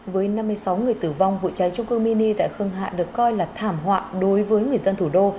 với năm mươi sáu người tử vong vụ cháy trung cư mini tại khương hạ được coi là thảm họa đối với người dân thủ đô